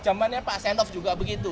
jamannya pak senof juga begitu